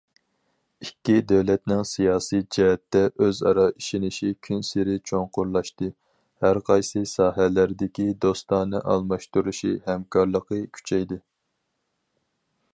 ئىككى دۆلەتنىڭ سىياسىي جەھەتتە ئۆزئارا ئىشىنىشى كۈنسېرى چوڭقۇرلاشتى، ھەرقايسى ساھەلەردىكى دوستانە ئالماشتۇرۇشى، ھەمكارلىقى كۈچەيدى.